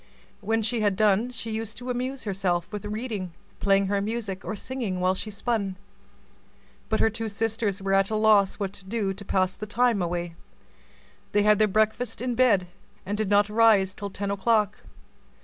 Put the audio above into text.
When she had done, she used to amuse herself with reading, playing her music, or singing while she spun. But her two sisters were at a loss what to do to pass the time away; they had their breakfast in bed, and did not rise till ten o'clock.